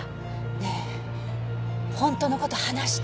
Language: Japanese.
ねえ本当の事話して。